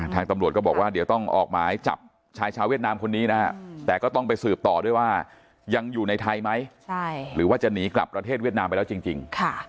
ทางตำรวจก็บอกว่าเดี๋ยวต้องออกหมายจับชายชาวเวียดนามคนนี้นะฮะแต่ก็ต้องไปสืบต่อด้วยว่ายังอยู่ในไทยไหมหรือว่าจะหนีกลับประเทศเวียดนามไปแล้วจริง